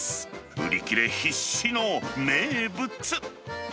売り切れ必至の名物。